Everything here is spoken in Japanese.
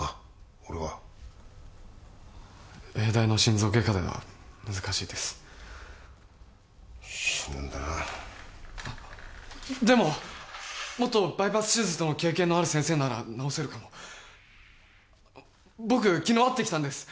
俺は永大の心臓外科では難しいです死ぬんだなでももっとバイパス手術の経験のある先生なら治せるかも僕昨日会ってきたんです